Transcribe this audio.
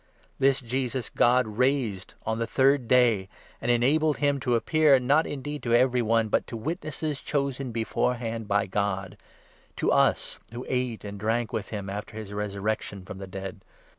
This Jesus 40 God raised on the third day, and enabled him to appear, not 41 indeed to every one, but to witnesses chosen beforehand by God — to us, who ate and drank with him after his resurrec tion from the dead.